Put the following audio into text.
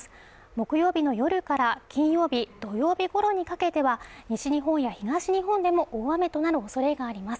木曜日の夜から金曜日土曜日頃にかけては西日本や東日本でも大雨となるおそれがあります。